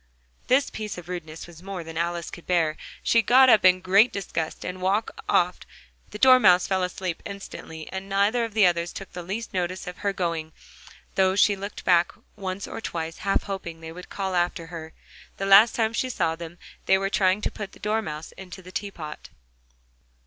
This piece of rudeness was more than Alice could bear: she got up in great disgust, and walked off: the Dormouse fell asleep instantly, and neither of the others took the least notice of her going, though she looked back once or twice, half hoping that they would call after her: the last time she saw them, they were trying to put the Dormouse into the teapot.